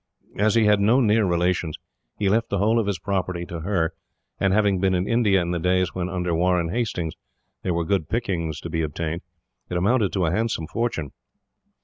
As he had no near relations, he left the whole of his property to her; and having been in India in the days when, under Warren Hastings, there were good pickings to be obtained, it amounted to a handsome fortune.